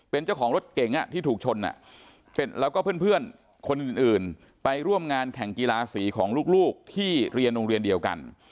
เป็นเจ้าของรถเก๋งที่ถูกชนเสร็จแล้วก็เพื่อนคนอื่นไปร่วมงานแข่งกีฬาสีของลูกที่เรียนโรงเรียนเดียวกัน